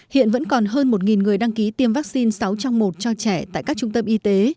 hiện vẫn còn hơn một người đăng ký tiêm vaccine sáu trong một cho trẻ tại các trung tâm y tế